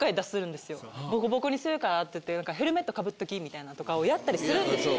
ボコボコにするからって言ってヘルメット被っときみたいなんとかをやったりするんですよ。